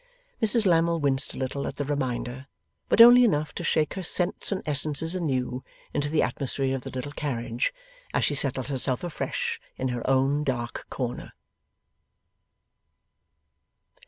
Mrs Lammle winced a little at the reminder, but only enough to shake her scents and essences anew into the atmosphere of the little carriage, as she settled herself afresh in her own dark corner.